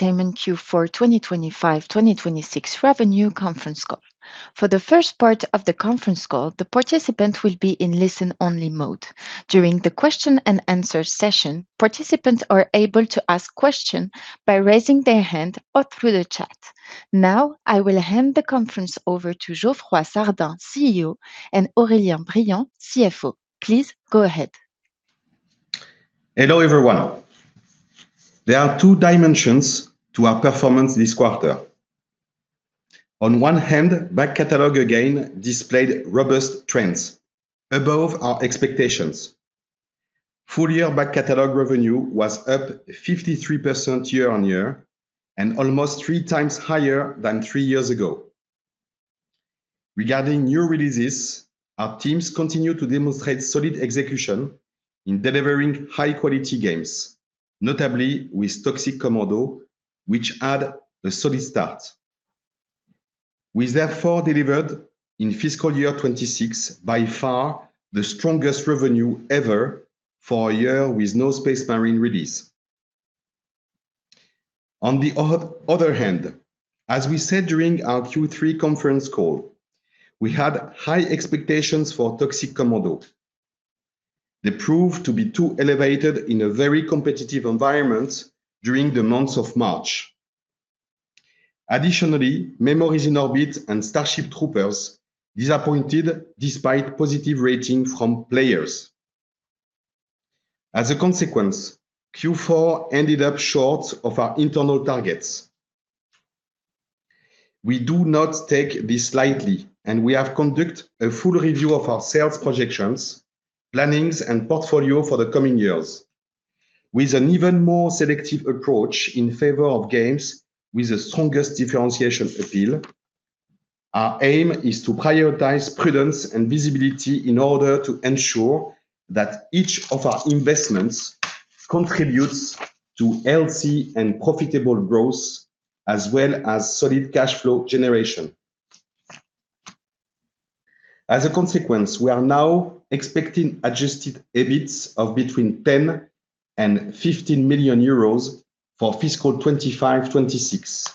Entertainment Q4 2025-2026 Revenue Conference Call. For the first part of the conference call, the participant will be in listen-only mode. During the question and answer session, participants are able to ask questions by raising their hand or through the chat. Now, I will hand the conference over to Geoffroy Sardin, CEO, and Aurélien Briand, CFO. Please go ahead. Hello, everyone. There are two dimensions to our performance this quarter. On one hand, back catalog again displayed robust trends above our expectations. Full-year back catalog revenue was up 53% year-on-year and almost three times higher than three years ago. Regarding new releases, our teams continue to demonstrate solid execution in delivering high-quality games, notably with Toxic Commando, which had a solid start. We therefore delivered in fiscal year 2026, by far, the strongest revenue ever for a year with no Space Marine release. On the other hand, as we said during our Q3 conference call, we had high expectations for Toxic Commando. They proved to be too elevated in a very competitive environment during the month of March. Additionally, Memories in Orbit and Starship Troopers disappointed despite positive ratings from players. As a consequence, Q4 ended up short of our internal targets. We do not take this lightly, and we have conducted a full review of our sales projections, plannings, and portfolio for the coming years. With an even more selective approach in favor of games with the strongest differentiation appeal, our aim is to prioritize prudence and visibility in order to ensure that each of our investments contributes to healthy and profitable growth as well as solid cash flow generation. As a consequence, we are now expecting adjusted EBITs of between 10 million and 15 million euros for fiscal 2025/26.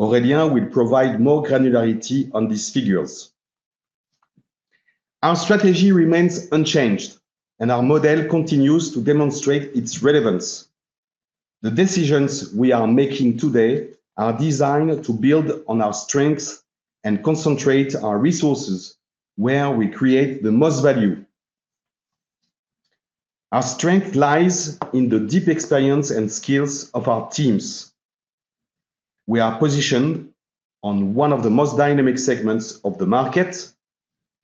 Aurélien will provide more granularity on these figures. Our strategy remains unchanged, and our model continues to demonstrate its relevance. The decisions we are making today are designed to build on our strengths and concentrate our resources where we create the most value. Our strength lies in the deep experience and skills of our teams. We are positioned on one of the most dynamic segments of the market,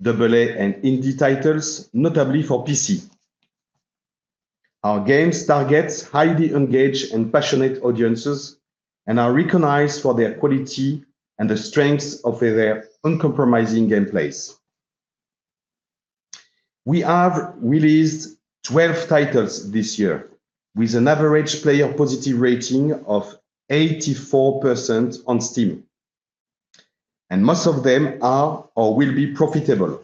AA and indie titles, notably for PC. Our games target highly engaged and passionate audiences and are recognized for their quality and the strength of their uncompromising gameplays. We have released 12 titles this year with an average player positive rating of 84% on Steam, and most of them are or will be profitable.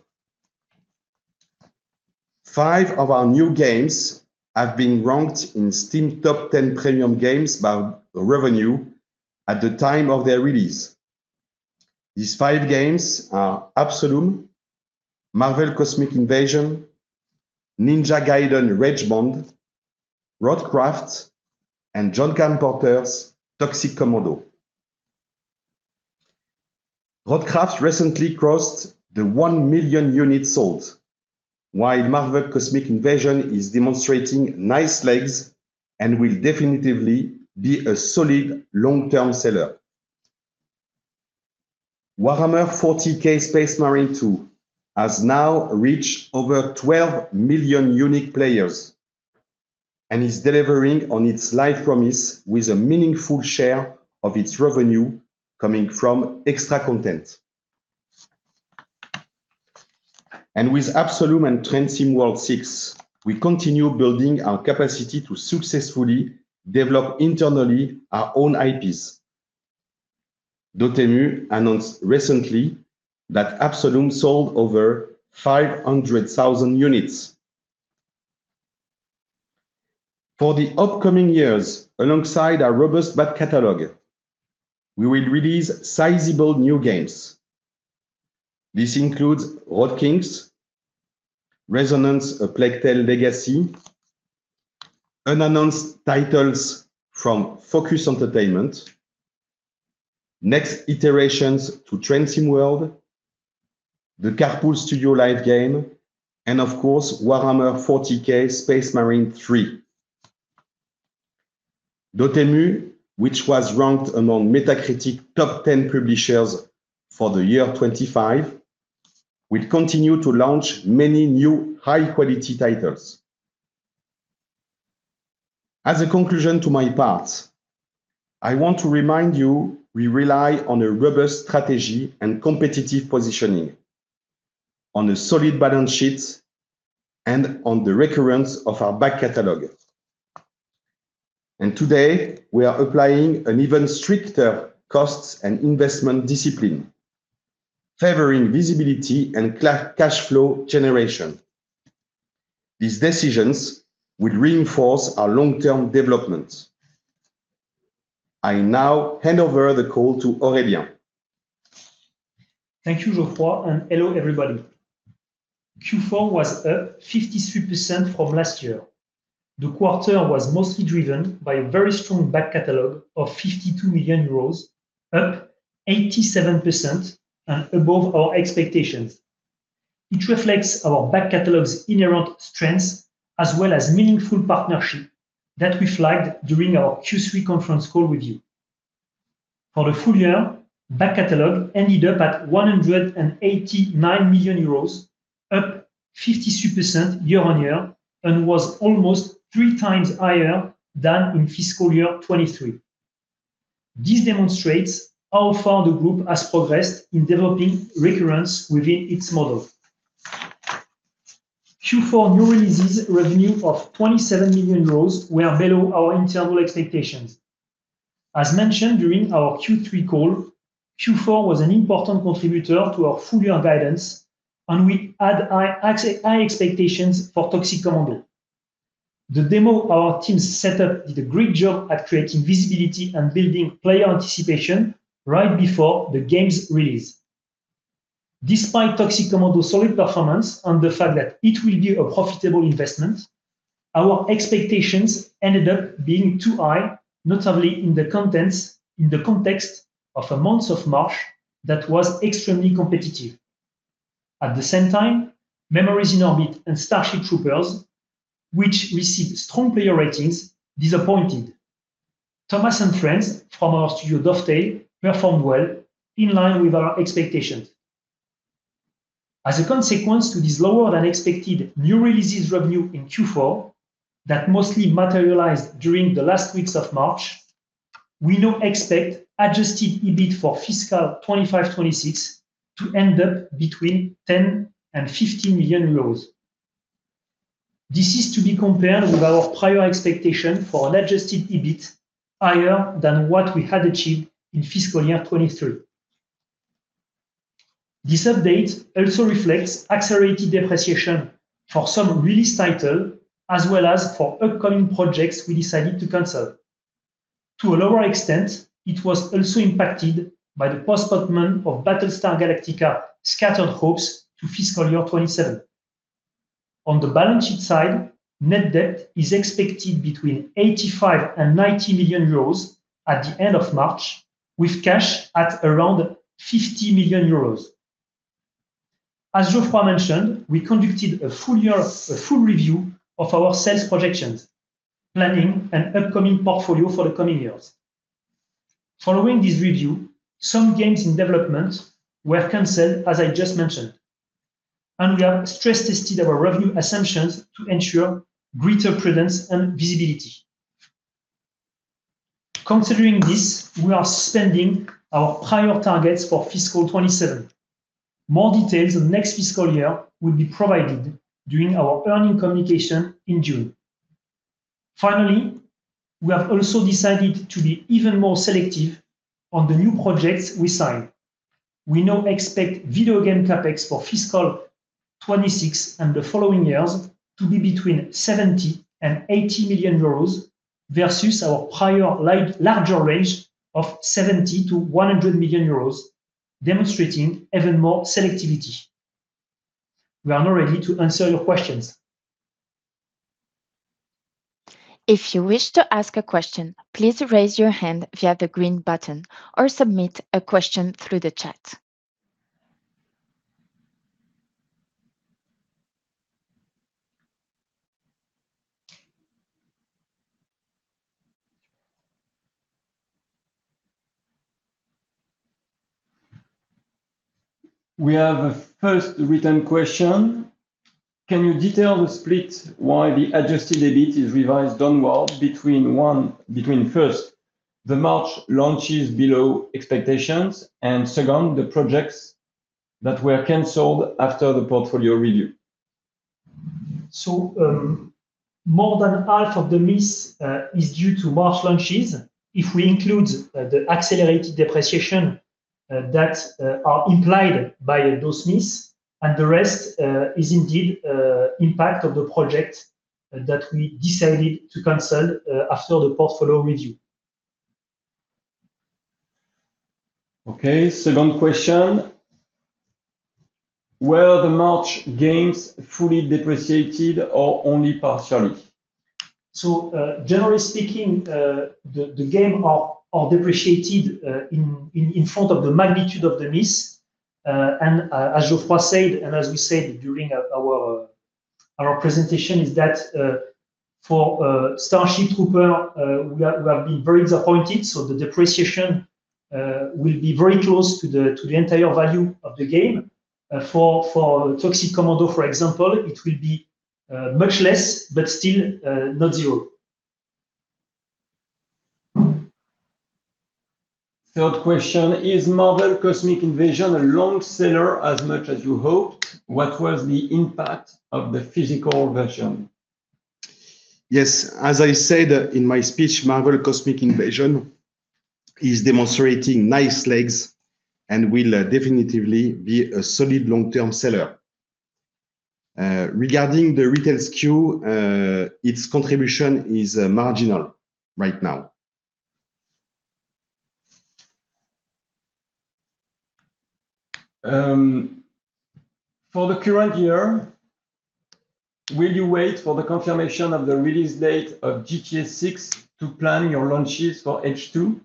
Five of our new games have been ranked in Steam top 10 premium games by revenue at the time of their release. These five games are Absolum, MARVEL Cosmic Invasion, NINJA GAIDEN: Ragebound, Roadcraft, and John Carpenter's Toxic Commando. Roadcraft recently crossed the 1 million units sold, while MARVEL Cosmic Invasion is demonstrating nice legs and will definitively be a solid long-term seller. Warhammer 40,000: Space Marine 2 has now reached over 12 million unique players and is delivering on its live service promise with a meaningful share of its revenue coming from extra content. With Absolum and Train Sim World 6, we continue building our capacity to successfully develop internally our own IPs. Dotemu announced recently that Absolum sold over 500,000 units. For the upcoming years, alongside our robust back catalog, we will release sizable new games. This includes Road Kings, Resonance: A Plague Tale Legacy, unannounced titles from Focus Entertainment, next iterations to Train Sim World, the Carpool Studio live game, and of course, Warhammer 40,000: Space Marine 3. Dotemu, which was ranked among Metacritic top 10 publishers for the year 2025, will continue to launch many new high-quality titles. As a conclusion to my part, I want to remind you, we rely on a robust strategy and competitive positioning, on a solid balance sheet, and on the recurrence of our back catalog. Today, we are applying an even stricter cost and investment discipline, favoring visibility and cash flow generation. These decisions will reinforce our long-term development. I now hand over the call to Aurélien. Thank you, Geoffroy, and hello, everybody. Q4 was up 53% of last year. The quarter was mostly driven by a very strong back catalog of 52 million euros, up 87% and above our expectations. It reflects our back catalog's inherent strengths as well as meaningful partnership that we flagged during our Q3 conference call with you. For the full year, back catalog ended up at 189 million euros, up 53% year-on-year, and was almost three times higher than in fiscal year 2023. This demonstrates how far the group has progressed in developing recurrence within its model. Q4 new releases revenue of 27 million euros were below our internal expectations. As mentioned during our Q3 call, Q4 was an important contributor to our full year guidance, and we had high expectations for Toxic Commando. The demo our team set up did a great job at creating visibility and building player anticipation right before the game's release. Despite Toxic Commando's solid performance and the fact that it will be a profitable investment, our expectations ended up being too high, notably in the context of the month of March that was extremely competitive. At the same time, Memories in Orbit and Starship Troopers, which received strong player ratings, disappointed. Thomas & Friends, from our studio Dovetail Games, performed well in line with our expectations. As a consequence to this lower-than-expected new releases revenue in Q4 that mostly materialized during the last weeks of March, we now expect adjusted EBIT for fiscal 2025/26 to end up between 10 million and 15 million euros. This is to be compared with our prior expectation for adjusted EBIT higher than what we had achieved in fiscal year 2023. This update also reflects accelerated depreciation for some release titles as well as for upcoming projects we decided to cancel. To a lower extent, it was also impacted by the postponement of Battlestar Galactica: Scattered Hopes to fiscal year 2027. On the balance sheet side, net debt is expected between 85 million and 90 million euros at the end of March, with cash at around 50 million euros. As Geoffroy mentioned, we conducted a full review of our sales projections, planning, and upcoming portfolio for the coming years. Following this review, some games in development were canceled, as I just mentioned, and we have stress-tested our revenue assumptions to ensure greater prudence and visibility. Considering this, we are suspending our prior targets for fiscal 2027. More details on next fiscal year will be provided during our earnings communication in June. Finally, we have also decided to be even more selective on the new projects we sign. We now expect video game CapEx for fiscal 2026 and the following years to be between 70 million and 80 million euros versus our prior larger range of 70 million-100 million euros, demonstrating even more selectivity. We are now ready to answer your questions. If you wish to ask a question, please raise your hand via the green button or submit a question through the chat. We have a first written question. Can you detail the split why the adjusted EBIT is revised downward between, first, the March launches below expectations and, second, the projects that were canceled after the portfolio review? More than half of the miss is due to March launches. If we include the accelerated depreciation that are implied by those misses, and the rest is indeed impact of the project that we decided to cancel after the portfolio review. Okay, second question. Were the March games fully depreciated or only partially? Generally speaking, the games are depreciated in light of the magnitude of the miss, and as Geoffroy said, and as we said during our presentation, is that for Starship Troopers, we have been very disappointed, so the depreciation will be very close to the entire value of the game. For Toxic Commando, for example, it will be much less, but still not zero. Third question, is MARVEL Cosmic Invasion a long seller as much as you hoped? What was the impact of the physical version? Yes. As I said in my speech, MARVEL Cosmic Invasion is demonstrating nice legs and will definitively be a solid long-term seller. Regarding the retail SKU, its contribution is marginal right now. For the current year, will you wait for the confirmation of the release date of GTA 6 to plan your launches for H2?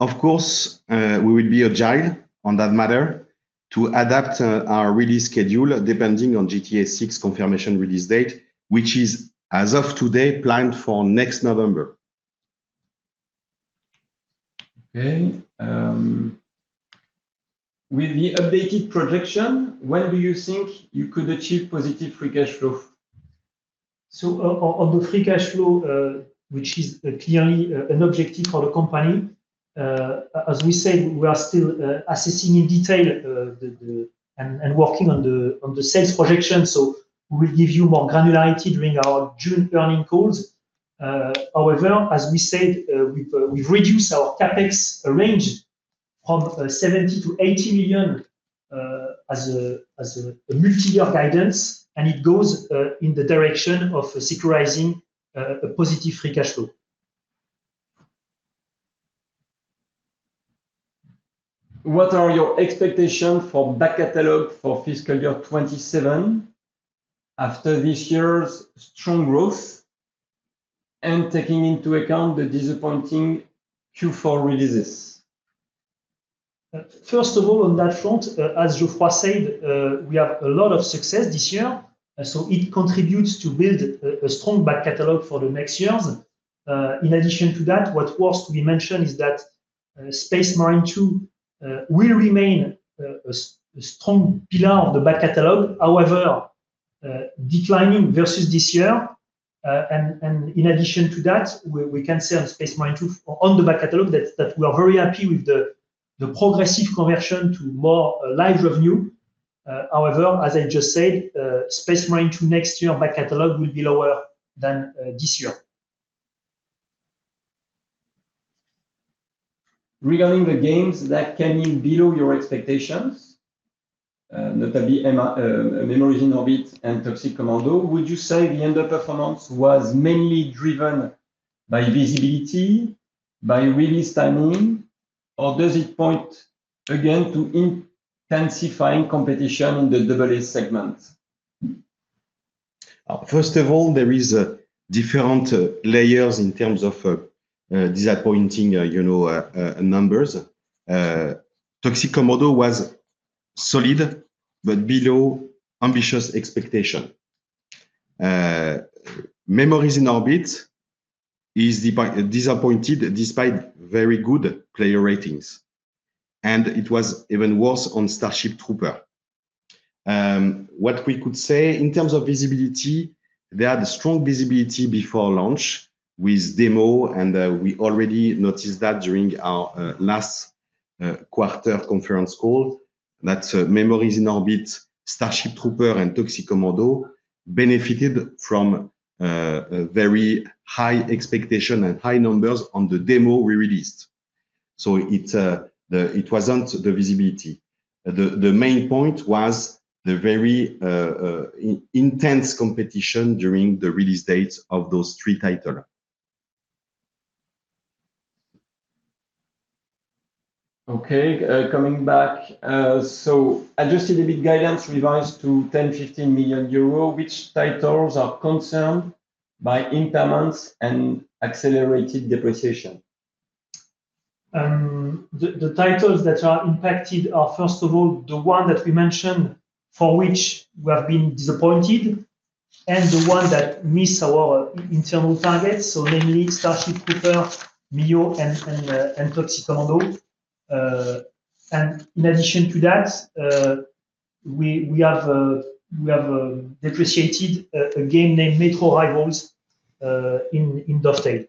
Of course, we will be agile on that matter to adapt our release schedule depending on GTA 6 confirmation release date, which is, as of today, planned for next November. Okay. With the updated projection, when do you think you could achieve positive free cash flow? On the free cash flow, which is clearly an objective for the company, as we said, we are still assessing in detail and working on the sales projection. We will give you more granularity during our June earnings calls. However, as we said, we've reduced our CapEx range from 70 million to 80 million as a multi-year guidance, and it goes in the direction of securing a positive free cash flow. What are your expectation for back catalog for fiscal year 2027 after this year's strong growth and taking into account the disappointing Q4 releases? First of all, on that front, as Geoffroy said, we have a lot of success this year, so it contributes to build a strong back catalog for the next years. In addition to that, what was to be mentioned is that Space Marine 2 will remain a strong pillar of the back catalog, however, declining versus this year. In addition to that, we can sell Space Marine 2 on the back catalog that we are very happy with the progressive conversion to more live revenue. However, as I just said, Space Marine 2 next year back catalog will be lower than this year. Regarding the games that came in below your expectations, notably Memories in Orbit and Toxic Commando, would you say the underperformance was mainly driven by visibility, by release timing, or does it point again to intensifying competition in the AA segment? First of all, there are different layers in terms of disappointing numbers. Toxic Commando was solid but below ambitious expectations. Memories in Orbit is disappointing despite very good player ratings, and it was even worse on Starship Troopers. What we could say in terms of visibility, they had strong visibility before launch with demo, and we already noticed that during our last quarter conference call that Memories in Orbit, Starship Troopers and Toxic Commando benefited from very high expectations and high numbers on the demo we released. It wasn't the visibility. The main point was the very intense competition during the release date of those three titles. Okay, coming back. Adjusted EBIT guidance revised to 10 million-15 million euro. Which titles are concerned by impairments and accelerated depreciation? The titles that are impacted are, first of all, the one that we mentioned for which we have been disappointed and the one that miss our internal targets, so mainly Starship Troopers, MIO, and Toxic Commando. In addition to that, we have depreciated a game named Metro Rivals in Dotemu.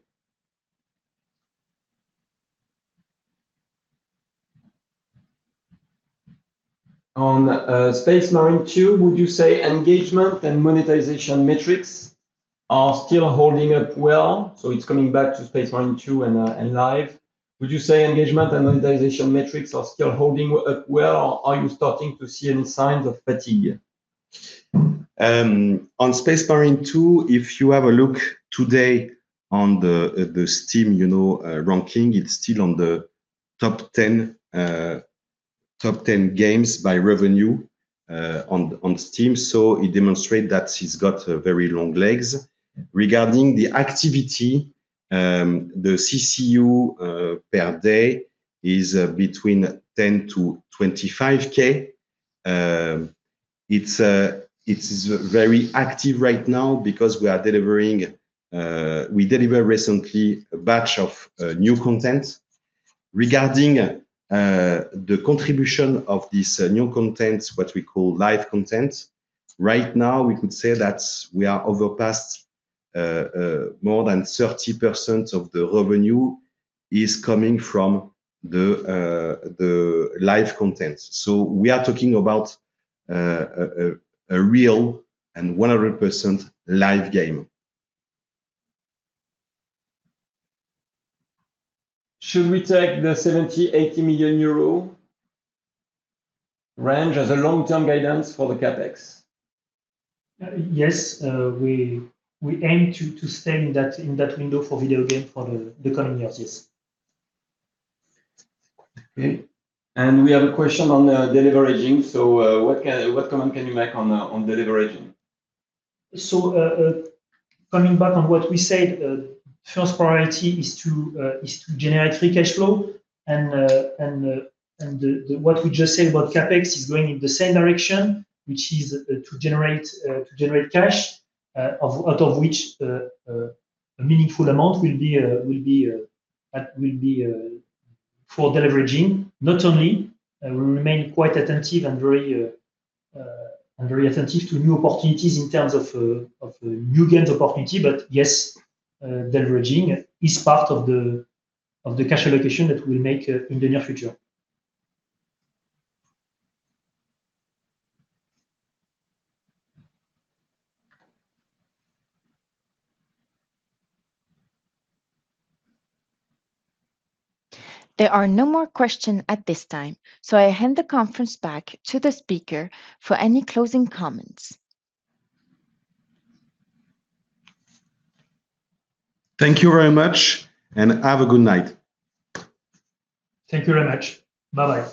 On Space Marine 2, would you say engagement and monetization metrics are still holding up well? It's coming back to Space Marine 2 and live. Would you say engagement and monetization metrics are still holding up well, or are you starting to see any signs of fatigue? On Space Marine 2, if you have a look today on the Steam ranking, it's still on the top 10 games by revenue on Steam. It demonstrate that it's got very long legs. Regarding the activity, the CCU per day is between 10K-25K. It is very active right now because we delivered recently a batch of new content. Regarding the contribution of this new content, what we call live content, right now, we could say that more than 30% of the revenue is coming from the live content. We are talking about a real and 100% live game. Should we take the 70 million-80 million euro range as a long-term guidance for the CapEx? Yes. We aim to stay in that window for video games for the coming years, yes. Okay. We have a question on deleveraging. What comment can you make on deleveraging? Coming back on what we said, first priority is to generate free cash flow, and what we just said about CapEx is going in the same direction, which is to generate cash, out of which a meaningful amount will be for deleveraging. Not only we remain quite attentive and very attentive to new opportunities in terms of new game opportunity, but yes, deleveraging is part of the cash allocation that we'll make in the near future. There are no more questions at this time, so I hand the conference back to the speaker for any closing comments. Thank you very much, and have a good night. Thank you very much. Bye-bye.